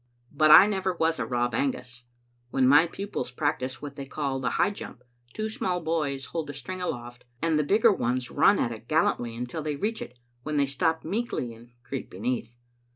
But I never was a Rob Angus. When my pupils practise what they call the high jump, two small boys hold a string aloft, and the bigger ones run at it gal lantly until they reach it, when they stop meekly and creep beneath.